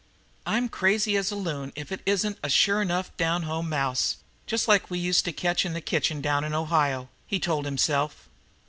"I'm as crazy as a loon if it isn't a sure enough down home mouse, just like we used to catch in the kitchen down in Ohio," he told himself.